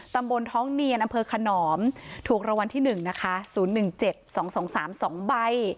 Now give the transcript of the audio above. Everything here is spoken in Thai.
ตำบลท้องเนียนอำเภอขนอมถูกรางวัลที่๑นะคะ๐๑๗๒๒๓๒ใบ